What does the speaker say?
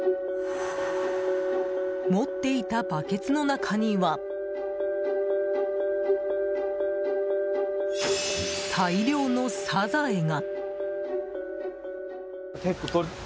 持っていたバケツの中には大量のサザエが。